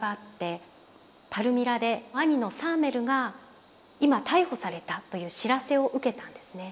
パルミラで兄のサーメルが今逮捕されたという知らせを受けたんですね。